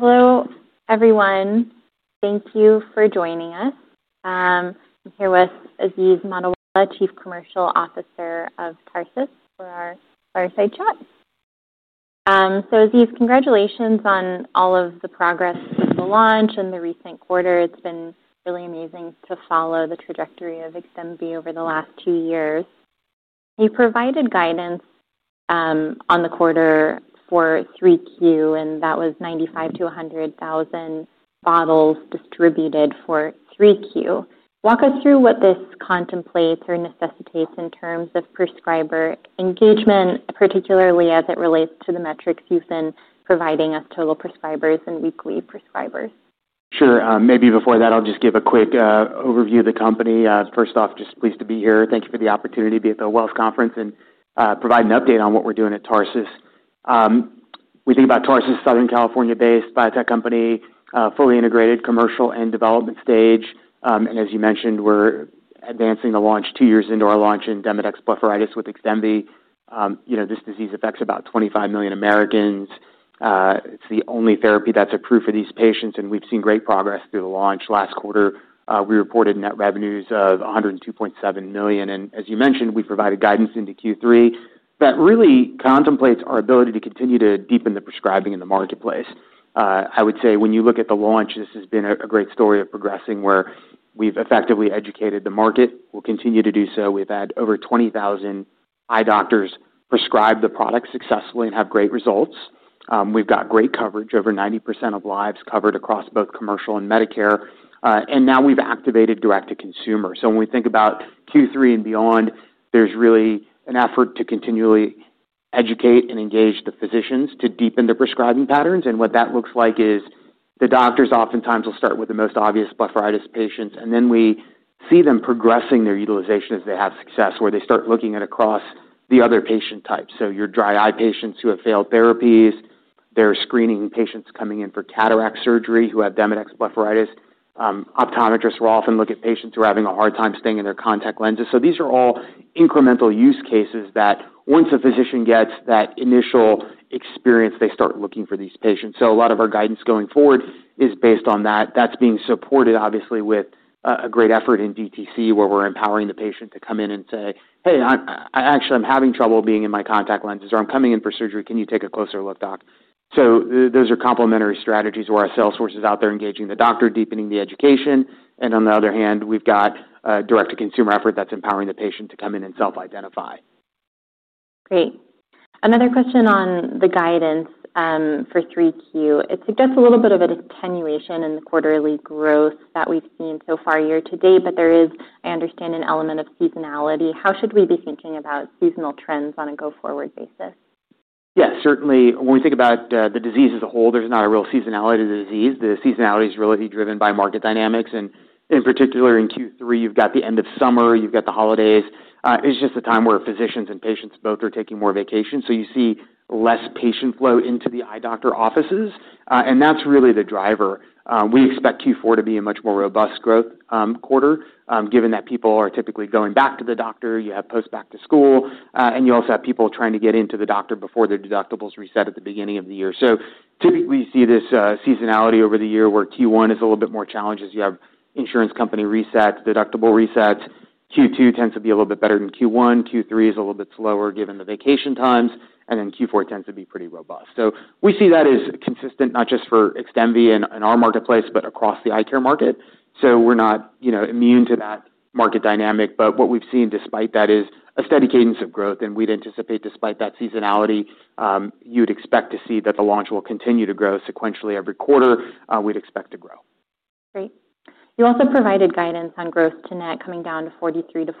Hello, everyone. Thank you for joining us. I'm here with Aziz Mottiwala, Chief Commercial Officer of Tarsus Pharmaceuticals for our fireside chat. Aziz, congratulations on all of the progress since the launch in the recent quarter. It's been really amazing to follow the trajectory of XDEMVY over the last two years. You provided guidance on the quarter for 3Q, and that was 95,000 - 100,000 bottles distributed for 3Q. Walk us through what this contemplates or necessitates in terms of prescriber engagement, particularly as it relates to the metrics you've been providing us, total prescribers and weekly prescribers. Sure. Maybe before that, I'll just give a quick overview of the company. First off, just pleased to be here. Thank you for the opportunity to be at the Wells conference and provide an update on what we're doing at Tarsus Pharmaceuticals. We think about Tarsus Pharmaceuticals, Southern California-based biotech company, fully integrated commercial and development stage. As you mentioned, we're advancing the launch two years into our launch in Demodex blepharitis with XDEMVY. You know, this disease affects about 25 million Americans. It's the only therapy that's approved for these patients, and we've seen great progress through the launch. Last quarter, we reported net revenues of $102.7 million. As you mentioned, we provided guidance into Q3 that really contemplates our ability to continue to deepen the prescribing in the marketplace. I would say when you look at the launch, this has been a great story of progressing where we've effectively educated the market. We'll continue to do so. We've had over 20,000 eye doctors prescribe the product successfully and have great results. We've got great coverage, over 90% of lives covered across both commercial and Medicare. Now we've activated direct-to-consumer. When we think about Q3 and beyond, there's really an effort to continually educate and engage the physicians to deepen the prescribing patterns. What that looks like is the doctors oftentimes will start with the most obvious blepharitis patients, and then we see them progressing their utilization as they have success, where they start looking at across the other patient types. Your dry eye patients who have failed therapies, their screening patients coming in for cataract surgery who have Demodex blepharitis. Optometrists will often look at patients who are having a hard time staying in their contact lenses. These are all incremental use cases that once a physician gets that initial experience, they start looking for these patients. A lot of our guidance going forward is based on that. That's being supported, obviously, with a great effort in DTC where we're empowering the patient to come in and say, "Hey, I actually am having trouble being in my contact lenses," or, "I'm coming in for surgery. Can you take a closer look, doc?" Those are complementary strategies where our sales force is out there engaging the doctor, deepening the education. On the other hand, we've got a direct-to-consumer effort that's empowering the patient to come in and self-identify. Great. Another question on the guidance for 3Q. It suggests a little bit of an attenuation in the quarterly growth that we've seen so far year to date, but there is, I understand, an element of seasonality. How should we be thinking about seasonal trends on a go-forward basis? Yeah, certainly. When we think about the disease as a whole, there's not a real seasonality to the disease. The seasonality is really driven by market dynamics. In particular, in Q3, you've got the end of summer, you've got the holidays. It's just a time where physicians and patients both are taking more vacation. You see less patient flow into the eye doctor offices, and that's really the driver. We expect Q4 to be a much more robust growth quarter, given that people are typically going back to the doctor. You have post-back-to-school, and you also have people trying to get into the doctor before their deductibles reset at the beginning of the year. Typically, you see this seasonality over the year where Q1 is a little bit more challenging. You have insurance company resets, deductible resets. Q2 tends to be a little bit better than Q1. Q3 is a little bit slower given the vacation times, and then Q4 tends to be pretty robust. We see that as consistent, not just for XDEMVY and in our marketplace, but across the eye care market. We're not immune to that market dynamic. What we've seen despite that is a steady cadence of growth. We'd anticipate despite that seasonality, you'd expect to see that the launch will continue to grow sequentially every quarter. We'd expect to grow. Great. You also provided guidance on gross-to-net coming down to 43% - 45%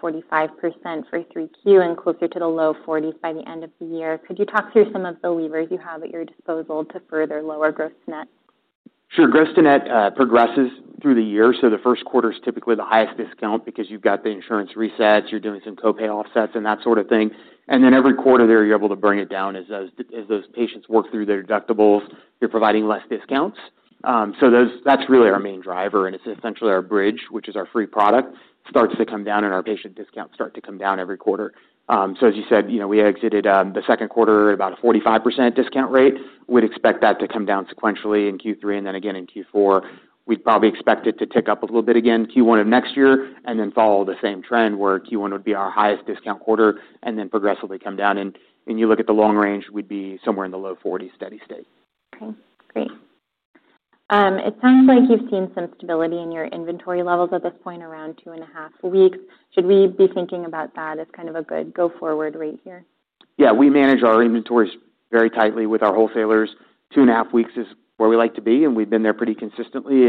for 3Q and closer to the low 40% by the end of the year. Could you talk through some of the levers you have at your disposal to further lower gross-to-net? Sure. Gross-to-net progresses through the year. The first quarter is typically the highest discount because you've got the insurance resets, you're doing some copay offsets, and that sort of thing. Every quarter there, you're able to bring it down as those patients work through their deductibles. You're providing less discounts. That's really our main driver. It's essentially our bridge, which is our free product, starts to come down, and our patient discounts start to come down every quarter. As you said, we exited the second quarter at about a 45% discount rate. We'd expect that to come down sequentially in Q3 and then again in Q4. We'd probably expect it to tick up a little bit again Q1 of next year and then follow the same trend where Q1 would be our highest discount quarter and then progressively come down. When you look at the long range, we'd be somewhere in the low 40% steady state. Okay. Great. It sounds like you've seen some stability in your inventory levels at this point around 2.5 weeks. Should we be thinking about that as kind of a good go-forward rate here? Yeah, we manage our inventories very tightly with our wholesalers. Two and a half weeks is where we like to be, and we've been there pretty consistently.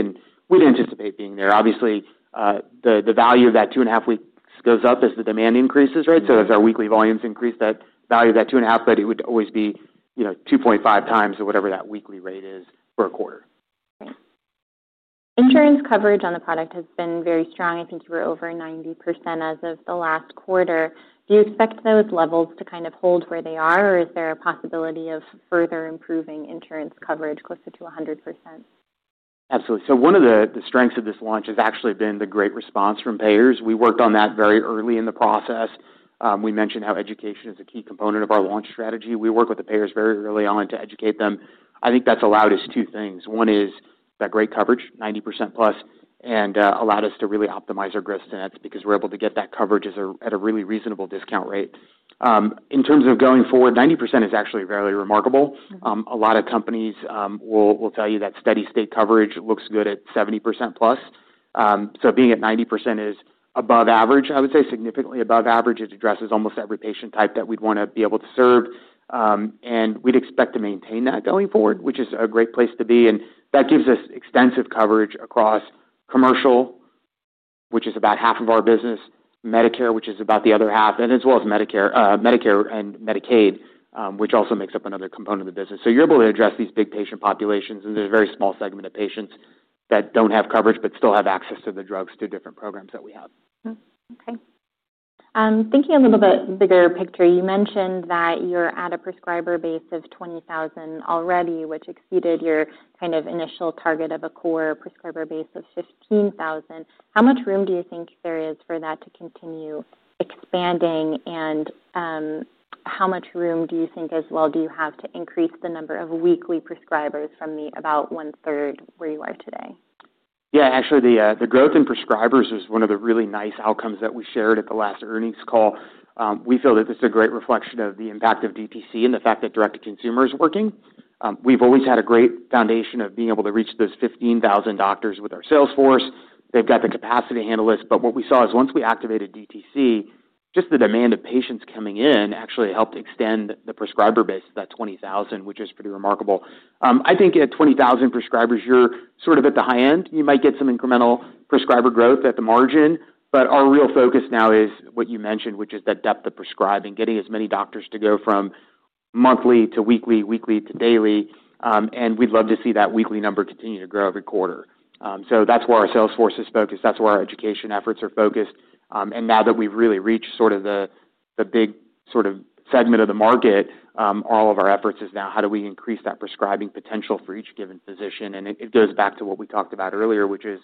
We'd anticipate being there. Obviously, the value of that 2.5 weeks goes up as the demand increases, right? As our weekly volumes increase, that value of that 2.5x, but it would always be, you know, 2.5x or whatever that weekly rate is for a quarter. Great. Insurance coverage on the product has been very strong. I think you were over 90% as of the last quarter. Do you expect those levels to kind of hold where they are, or is there a possibility of further improving insurance coverage closer to 100%? Absolutely. One of the strengths of this launch has actually been the great response from payers. We worked on that very early in the process. We mentioned how education is a key component of our launch strategy. We work with the payers very early on to educate them. I think that's allowed us two things. One is that great coverage, 90% plus, and allowed us to really optimize our gross-to-net discounts because we're able to get that coverage at a really reasonable discount rate. In terms of going forward, 90% is actually very remarkable. A lot of companies will tell you that steady-state coverage looks good at 70%+. Being at 90% is above average, I would say, significantly above average. It addresses almost every patient type that we'd want to be able to serve. We'd expect to maintain that going forward, which is a great place to be. That gives us extensive coverage across commercial, which is about half of our business, Medicare, which is about the other half, as well as Medicaid, which also makes up another component of the business. You're able to address these big patient populations, and there's a very small segment of patients that don't have coverage but still have access to the drugs through different programs that we have. Okay. Thinking a little bit bigger picture, you mentioned that you're at a prescriber base of 20,000 already, which exceeded your kind of initial target of a core prescriber base of 15,000. How much room do you think there is for that to continue expanding, and how much room do you think as well do you have to increase the number of weekly prescribers from the about 1/3 where you are today? Yeah, actually, the growth in prescribers is one of the really nice outcomes that we shared at the last earnings call. We feel that this is a great reflection of the impact of DTC and the fact that direct-to-consumer is working. We've always had a great foundation of being able to reach those 15,000 doctors with our sales force. They've got the capacity to handle this. What we saw is once we activated DTC, just the demand of patients coming in actually helped extend the prescriber base to that 20,000, which is pretty remarkable. I think at 20,000 prescribers, you're sort of at the high end. You might get some incremental prescriber growth at the margin. Our real focus now is what you mentioned, which is that depth of prescribing, getting as many doctors to go from monthly to weekly, weekly to daily. We'd love to see that weekly number continue to grow every quarter. That's where our sales force is focused. That's where our education efforts are focused. Now that we've really reached sort of the big sort of segment of the market, all of our efforts is now how do we increase that prescribing potential for each given physician? It goes back to what we talked about earlier, which is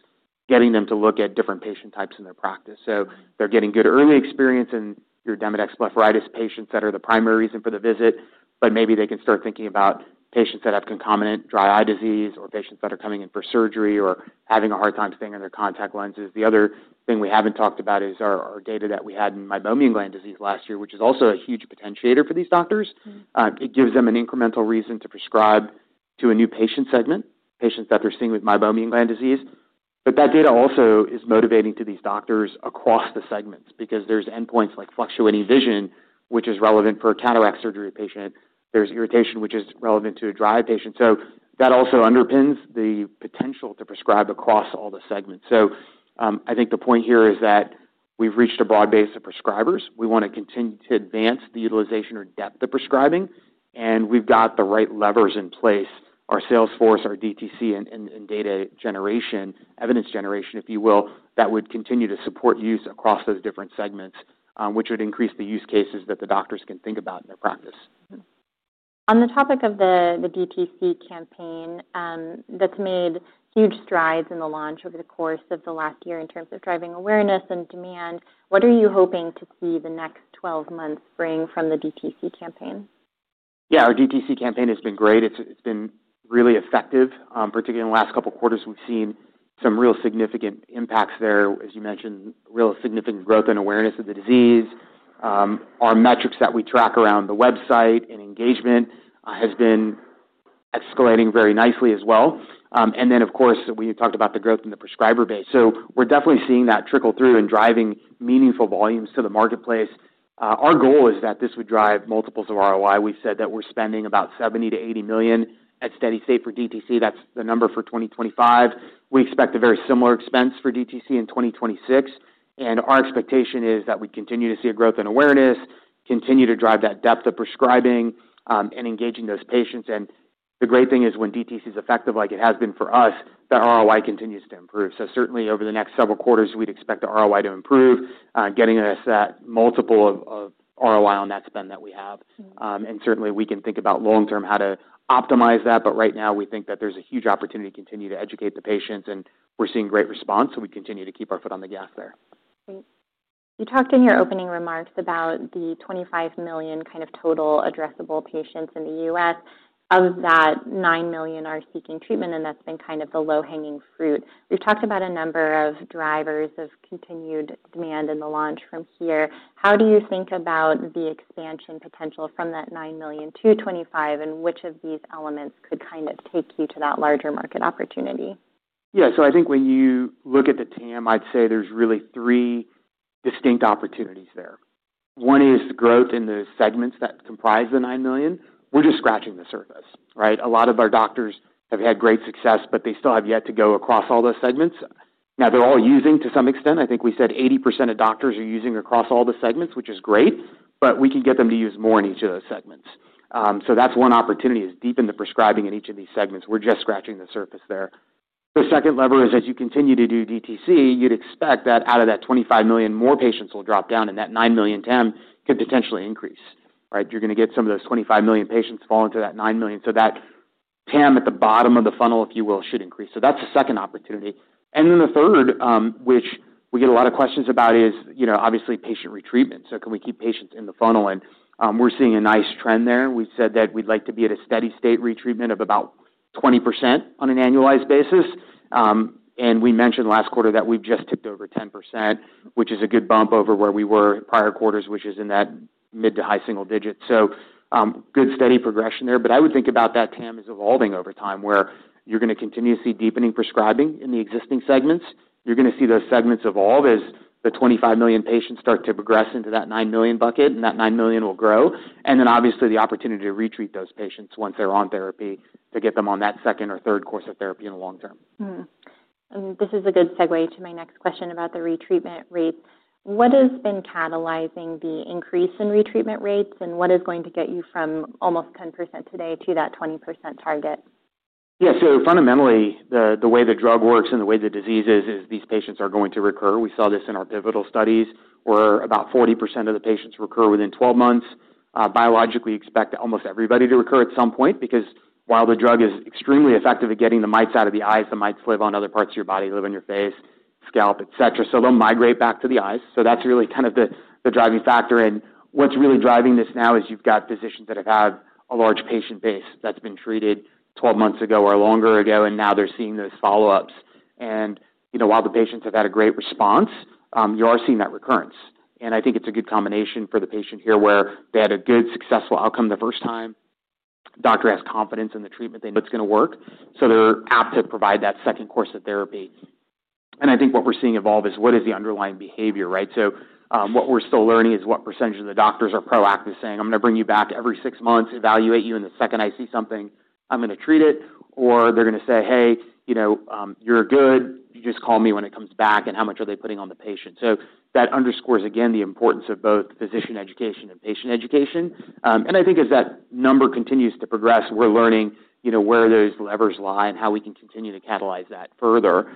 getting them to look at different patient types in their practice. They're getting good early experience in your Demodex blepharitis patients that are the primary reason for the visit, but maybe they can start thinking about patients that have concomitant dry eye disease or patients that are coming in for surgery or having a hard time staying in their contact lenses. The other thing we haven't talked about is our data that we had in Meibomian gland disease last year, which is also a huge potentiator for these doctors. It gives them an incremental reason to prescribe to a new patient segment, patients that they're seeing with meibomian gland disease. That data also is motivating to these doctors across the segments because there's endpoints like fluctuating vision, which is relevant for a cataract surgery patient. There's irritation, which is relevant to a dry eye patient. That also underpins the potential to prescribe across all the segments. I think the point here is that we've reached a broad base of prescribers. We want to continue to advance the utilization or depth of prescribing. We've got the right levers in place, our sales force, our DTC, and data generation, evidence generation, if you will, that would continue to support use across those different segments, which would increase the use cases that the doctors can think about in their practice. On the topic of the DTC campaign, that's made huge strides in the launch over the course of the last year in terms of driving awareness and demand. What are you hoping to see the next 12 months bring from the DTC campaign? Yeah, our DTC campaign has been great. It's been really effective. Particularly in the last couple of quarters, we've seen some real significant impacts there. As you mentioned, real significant growth and awareness of the disease. Our metrics that we track around the website and engagement have been escalating very nicely as well. Of course, we talked about the growth in the prescriber base. We're definitely seeing that trickle through and driving meaningful volumes to the marketplace. Our goal is that this would drive multiples of ROI. We said that we're spending about $70- $80 million at steady-state for DTC. That's the number for 2025. We expect a very similar expense for DTC in 2026. Our expectation is that we continue to see a growth in awareness, continue to drive that depth of prescribing, and engaging those patients. The great thing is when DTC is effective, like it has been for us, the ROI continues to improve. Certainly, over the next several quarters, we'd expect the ROI to improve, getting us that multiple of ROI on that spend that we have. Certainly, we can think about long-term how to optimize that. Right now, we think that there's a huge opportunity to continue to educate the patients, and we're seeing great response. We continue to keep our foot on the gas there. Great. You talked in your opening remarks about the 25 million kind of total addressable patients in the U.S. Of that, 9 million are seeking treatment, and that's been kind of the low-hanging fruit. We've talked about a number of drivers of continued demand in the launch from here. How do you think about the expansion potential from that 9 million- 25 million, and which of these elements could kind of take you to that larger market opportunity? Yeah, so I think when you look at the TAM, I'd say there's really three distinct opportunities there. One is growth in the segments that comprise the 9 million. We're just scratching the surface, right? A lot of our doctors have had great success, but they still have yet to go across all those segments. Now, they're all using to some extent. I think we said 80% of doctors are using across all the segments, which is great, but we can get them to use more in each of those segments. That's one opportunity, to deepen the prescribing in each of these segments. We're just scratching the surface there. The second level is as you continue to do DTC, you'd expect that out of that 25 million, more patients will drop down, and that 9 million TAM could potentially increase, right? You're going to get some of those 25 million patients fall into that 9 million. That TAM at the bottom of the funnel, if you will, should increase. That's the second opportunity. The third, which we get a lot of questions about, is obviously patient retreatment. Can we keep patients in the funnel? We're seeing a nice trend there. We said that we'd like to be at a steady-state retreatment of about 20% on an annualized basis. We mentioned last quarter that we've just tipped over 10%, which is a good bump over where we were prior quarters, which is in that mid to high single digit. Good steady progression there. I would think about that TAM as evolving over time where you're going to continue to see deepening prescribing in the existing segments. You're going to see those segments evolve as the 25 million patients start to progress into that 9 million bucket, and that 9 million will grow. Obviously, the opportunity to retreat those patients once they're on therapy to get them on that second or third course of therapy in the long term. This is a good segue to my next question about the retreatment rates. What has been catalyzing the increase in retreatment rates, and what is going to get you from almost 10% today to that 20% target? Yeah, so fundamentally, the way the drug works and the way the disease is, is these patients are going to recur. We saw this in our pivotal studies where about 40% of the patients recur within 12 months. Biologically, we expect almost everybody to recur at some point because while the drug is extremely effective at getting the mites out of the eyes, the mites live on other parts of your body, live on your face, scalp, etc. They will migrate back to the eyes. That's really kind of the driving factor. What's really driving this now is you've got physicians that have had a large patient base that's been treated 12 months ago or longer ago, and now they're seeing those follow-ups. While the patients have had a great response, you are seeing that recurrence. I think it's a good combination for the patient here where they had a good successful outcome the first time. The doctor has confidence in the treatment. They know it's going to work. They're apt to provide that second course of therapy. I think what we're seeing evolve is what is the underlying behavior, right? What we're still learning is what percentage of the doctors are proactive saying, "I'm going to bring you back every six months, evaluate you, and the second I see something, I'm going to treat it." Or they're going to say, "Hey, you know, you're good. You just call me when it comes back." How much are they putting on the patient? That underscores, again, the importance of both physician education and patient education. I think as that number continues to progress, we're learning, you know, where those levers lie and how we can continue to catalyze that further.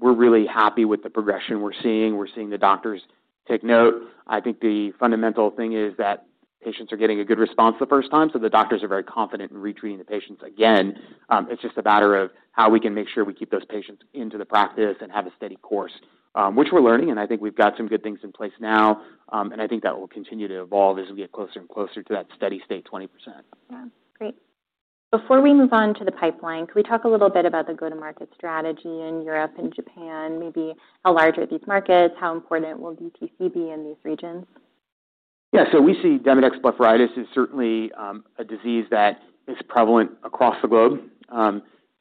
We're really happy with the progression we're seeing. We're seeing the doctors take note. I think the fundamental thing is that patients are getting a good response the first time. The doctors are very confident in retreating the patients again. It's just a matter of how we can make sure we keep those patients into the practice and have a steady course, which we're learning. I think we've got some good things in place now. I think that will continue to evolve as we get closer and closer to that steady-state 20%. Yeah. Great. Before we move on to the pipeline, can we talk a little bit about the go-to-market strategy in Europe and Japan, maybe a larger view of these markets? How important will DTC be in these regions? Yeah, so we see Demodex blepharitis is certainly a disease that is prevalent across the globe.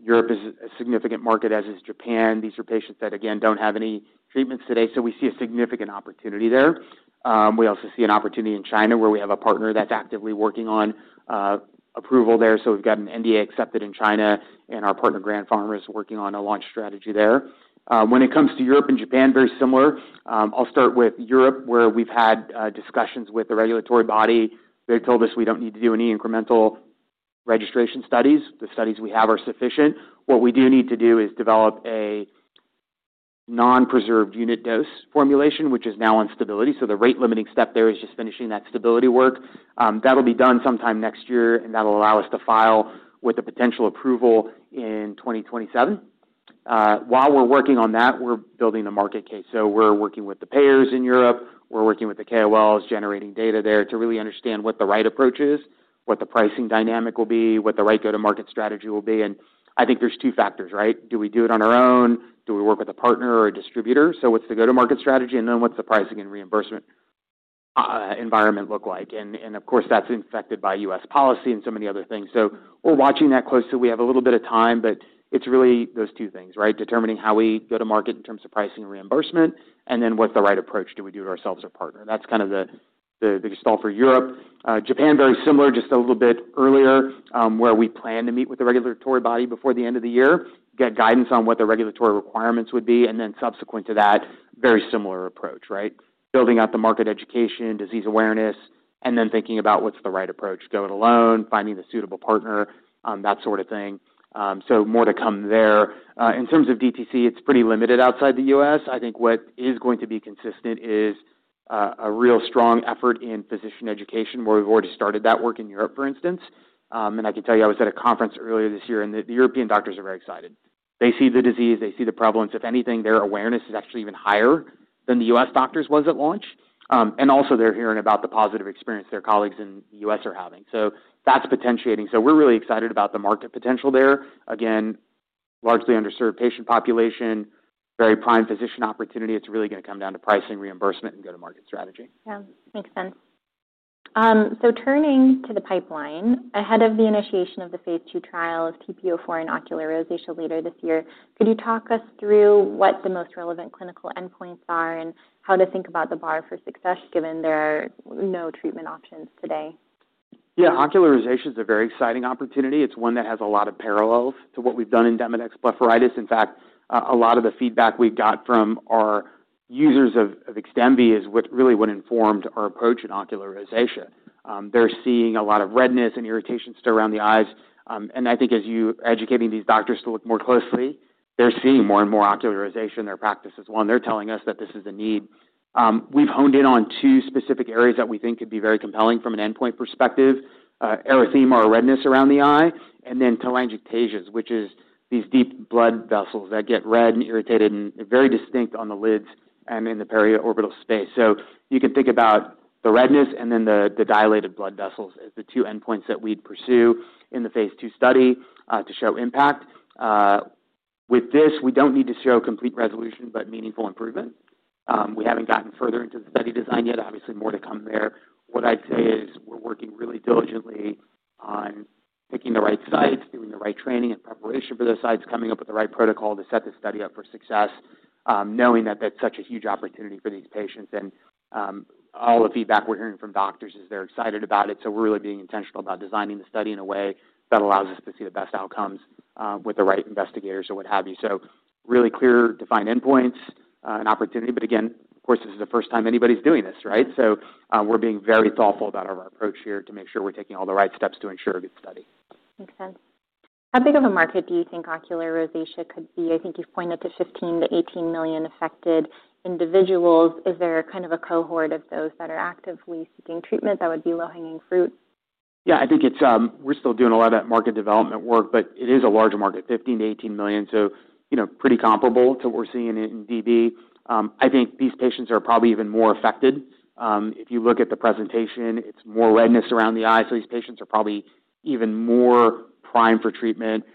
Europe is a significant market, as is Japan. These are patients that, again, don't have any treatments today. We see a significant opportunity there. We also see an opportunity in China where we have a partner that's actively working on approval there. We've got an NDA accepted in China, and our partner, Grand Pharma, is working on a launch strategy there. When it comes to Europe and Japan, very similar. I'll start with Europe where we've had discussions with the regulatory body. They've told us we don't need to do any incremental registration studies. The studies we have are sufficient. What we do need to do is develop a non-preserved unit dose formulation, which is now on stability. The rate-limiting step there is just finishing that stability work. That'll be done sometime next year, and that'll allow us to file with a potential approval in 2027. While we're working on that, we're building the market case. We're working with the payers in Europe. We're working with the KOLs, generating data there to really understand what the right approach is, what the pricing dynamic will be, what the right go-to-market strategy will be. I think there's two factors, right? Do we do it on our own? Do we work with a partner or a distributor? What's the go-to-market strategy? Then what's the pricing and reimbursement environment look like? Of course, that's affected by U.S. policy and some of the other things. We're watching that closely. We have a little bit of time, but it's really those two things, right? Determining how we go to market in terms of pricing and reimbursement, and then what's the right approach? Do we do it ourselves or partner? That's kind of the gestalt for Europe. Japan, very similar, just a little bit earlier, where we plan to meet with the regulatory body before the end of the year, get guidance on what the regulatory requirements would be, and then subsequent to that, very similar approach, right? Building out the market education, disease awareness, and then thinking about what's the right approach? Go it alone, finding the suitable partner, that sort of thing. More to come there. In terms of DTC, it's pretty limited outside the U.S. I think what is going to be consistent is a real strong effort in physician education where we've already started that work in Europe, for instance. I can tell you, I was at a conference earlier this year, and the European doctors are very excited. They see the disease. They see the prevalence. If anything, their awareness is actually even higher than the US doctors' was at launch. They are also hearing about the positive experience their colleagues in the U.S. are having, which is potentiating. We are really excited about the market potential there. Again, largely underserved patient population, very prime physician opportunity. It is really going to come down to pricing, reimbursement, and go-to-market strategy. Makes sense. Turning to the pipeline, ahead of the initiation of the phase 2 trial of TP-04 in ocular rosacea later this year, could you talk us through what the most relevant clinical endpoints are and how to think about the bar for success given there are no treatment options today? Yeah, ocular rosacea is a very exciting opportunity. It's one that has a lot of parallels to what we've done in Demodex blepharitis. In fact, a lot of the feedback we've got from our users of XDEMVY is what really informed our approach in ocular rosacea. They're seeing a lot of redness and irritation still around the eyes. I think as you're educating these doctors to look more closely, they're seeing more and more ocular rosacea in their practice as well. They're telling us that this is the need. We've honed in on two specific areas that we think could be very compelling from an endpoint perspective: erythema or redness around the eye, and then telangiectasias, which is these deep blood vessels that get red and irritated and very distinct on the lids and in the periorbital space. You can think about the redness and then the dilated blood vessels as the two endpoints that we'd pursue in the phase 2 trial to show impact. With this, we don't need to show complete resolution, but meaningful improvement. We haven't gotten further into the study design yet. Obviously, more to come there. What I'd say is we're working really diligently on picking the right sites, doing the right training and preparation for those sites, coming up with the right protocol to set the study up for success, knowing that that's such a huge opportunity for these patients. All the feedback we're hearing from doctors is they're excited about it. We're really being intentional about designing the study in a way that allows us to see the best outcomes, with the right investigators or what have you. Really clear defined endpoints and opportunity. Of course, this is the first time anybody's doing this, right? We're being very thoughtful about our approach here to make sure we're taking all the right steps to ensure a good study. Makes sense. How big of a market do you think ocular rosacea could be? I think you've pointed to 15 million- 18 million affected individuals. Is there kind of a cohort of those that are actively seeking treatment that would be low-hanging fruit? Yeah, I think we're still doing a lot of that market development work, but it is a larger market, 15 million- 18 million. So, you know, pretty comparable to what we're seeing in DV. I think these patients are probably even more affected. If you look at the presentation, it's more redness around the eye. These patients are probably even more primed for treatment.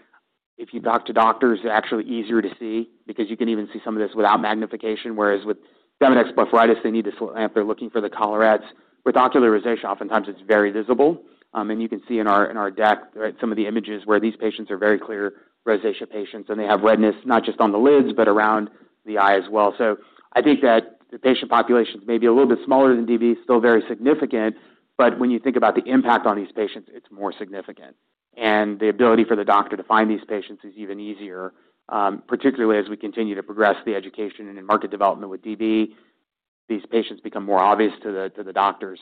If you talk to doctors, it's actually easier to see because you can even see some of this without magnification, whereas with Demodex blepharitis, they need the slit lamp. They're looking for the collarettes. With ocular rosacea, oftentimes, it's very visible, and you can see in our deck, right, some of the images where these patients are very clear rosacea patients, and they have redness not just on the lids, but around the eye as well. I think that the patient population may be a little bit smaller than DV, still very significant, but when you think about the impact on these patients, it's more significant. The ability for the doctor to find these patients is even easier, particularly as we continue to progress the education and market development with DV, these patients become more obvious to the doctors.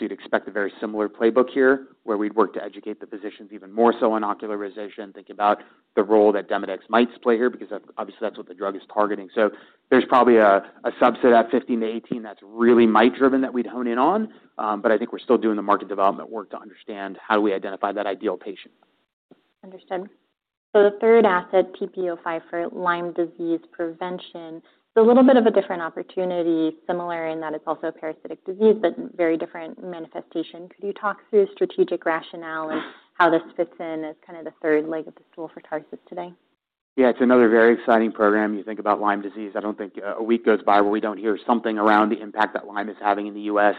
You'd expect a very similar playbook here where we'd work to educate the physicians even more so on ocular rosacea, think about the role that Demodex mites play here because that's what the drug is targeting. There's probably a subset of that 15- 18 that's really mite-driven that we'd hone in on. I think we're still doing the market development work to understand how do we identify that ideal patient. Understood. The third asset, TP-05 for Lyme disease prevention, it's a little bit of a different opportunity, similar in that it's also a parasitic disease, but very different manifestation. Could you talk through strategic rationale and how this fits in as kind of the third leg of the stool for Tarsus today? Yeah, it's another very exciting program. You think about Lyme disease. I don't think a week goes by where we don't hear something around the impact that Lyme is having in the U.S.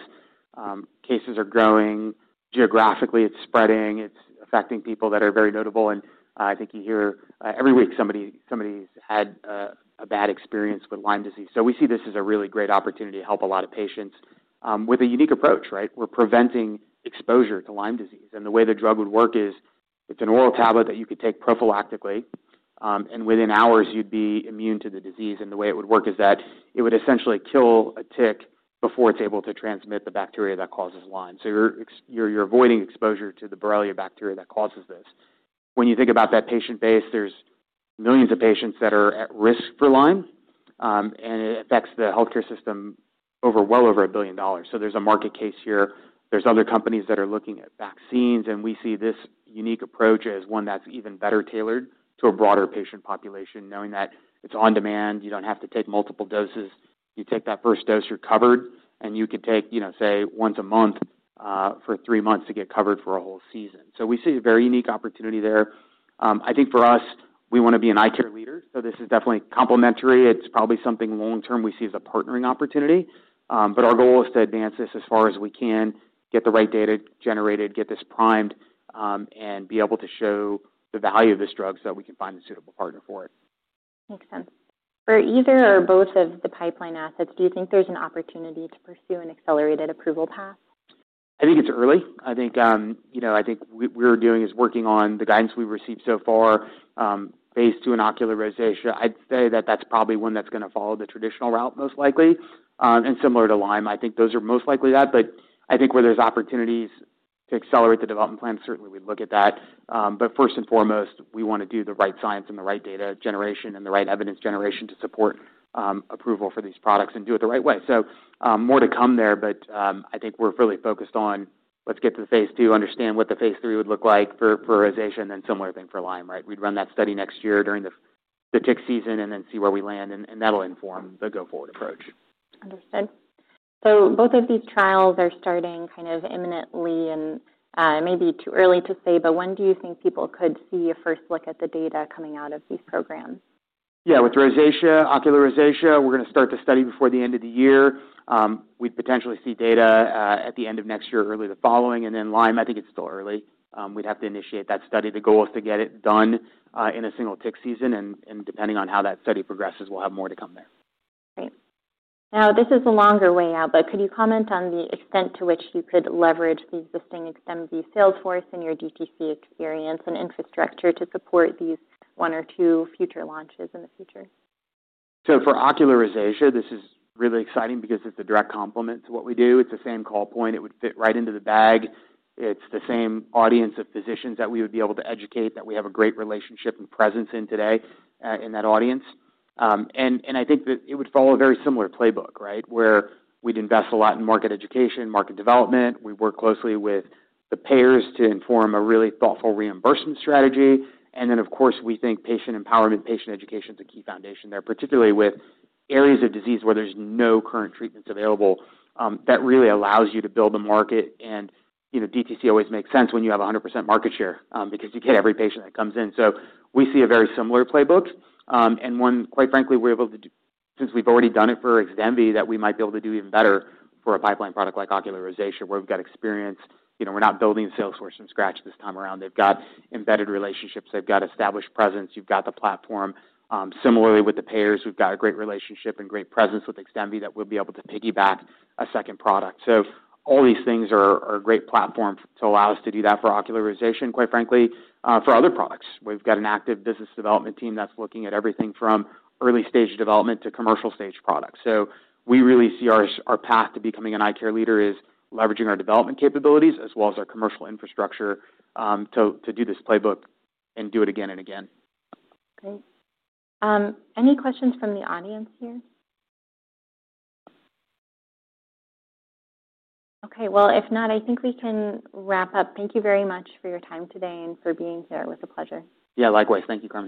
Cases are growing. Geographically, it's spreading. It's affecting people that are very notable. I think you hear every week somebody's had a bad experience with Lyme disease. We see this as a really great opportunity to help a lot of patients, with a unique approach, right? We're preventing exposure to Lyme disease. The way the drug would work is it's an oral tablet that you could take prophylactically, and within hours, you'd be immune to the disease. The way it would work is that it would essentially kill a tick before it's able to transmit the bacteria that causes Lyme. You're avoiding exposure to the Borrelia bacteria that causes this. When you think about that patient base, there's millions of patients that are at risk for Lyme, and it affects the healthcare system over well over $1 billion. There's a market case here. There are other companies that are looking at vaccines. We see this unique approach as one that's even better tailored to a broader patient population, knowing that it's on demand. You don't have to take multiple doses. You take that first dose, you're covered. You could take, you know, say, once a month, for three months to get covered for a whole season. We see a very unique opportunity there. I think for us, we want to be an eye care leader. This is definitely complementary. It's probably something long-term we see as a partnering opportunity, but our goal is to advance this as far as we can, get the right data generated, get this primed, and be able to show the value of this drug so that we can find a suitable partner for it. Makes sense. For either or both of the pipeline assets, do you think there's an opportunity to pursue an accelerated approval path? I think it's early. I think what we're doing is working on the guidance we've received so far, based on ocular rosacea. I'd say that that's probably one that's going to follow the traditional route most likely, and similar to Lyme, I think those are most likely that. Where there's opportunities to accelerate the development plan, certainly, we'd look at that. First and foremost, we want to do the right science and the right data generation and the right evidence generation to support approval for these products and do it the right way. More to come there, but I think we're really focused on let's get to the phase II, understand what the phase 3 would look like for rosacea, and then similar thing for Lyme, right? We'd run that study next year during the tick season and then see where we land. That'll inform the go-forward approach. Understood. Both of these trials are starting kind of imminently, and it may be too early to say, but when do you think people could see a first look at the data coming out of these programs? Yeah, with rosacea, ocular rosacea, we're going to start the study before the end of the year. We'd potentially see data at the end of next year, early the following. For Lyme, I think it's still early. We'd have to initiate that study. The goal is to get it done in a single tick season. Depending on how that study progresses, we'll have more to come there. Great. Now, this is a longer way out, but could you comment on the extent to which you could leverage the existing XDEMVY sales force and your direct-to-consumer experience and infrastructure to support these one or two future launches in the future? For ocular rosacea, this is really exciting because it's a direct complement to what we do. It's the same call point. It would fit right into the bag. It's the same audience of physicians that we would be able to educate, that we have a great relationship and presence in today, in that audience. I think that it would follow a very similar playbook, where we'd invest a lot in market education and market development. We work closely with the payers to inform a really thoughtful reimbursement strategy. Of course, we think patient empowerment and patient education is a key foundation there, particularly with areas of disease where there's no current treatments available. That really allows you to build a market. DTC always makes sense when you have 100% market share, because you get every patient that comes in. We see a very similar playbook, and one, quite frankly, we're able to do, since we've already done it for XDEMVY, that we might be able to do even better for a pipeline product like ocular rosacea where we've got experience. We're not building the sales force from scratch this time around. They've got embedded relationships. They've got established presence. You've got the platform. Similarly, with the payers, we've got a great relationship and great presence with XDEMVY that we'll be able to piggyback a second product. All these things are a great platform to allow us to do that for ocular rosacea, quite frankly, for other products. We've got an active business development team that's looking at everything from early-stage development to commercial-stage products. We really see our path to becoming an eye care leader as leveraging our development capabilities as well as our commercial infrastructure, to do this playbook and do it again and again. Great. Any questions from the audience here? Okay. If not, I think we can wrap up. Thank you very much for your time today and for being here. It was a pleasure. Yeah, likewise. Thank you, Carmen.